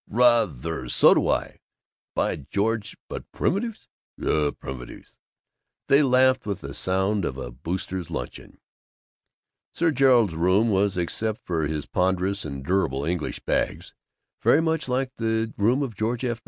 "Rather! So do I, by George! But primitives!" "Yuh! Primitives!" They laughed with the sound of a Boosters' luncheon. Sir Gerald's room was, except for his ponderous and durable English bags, very much like the room of George F.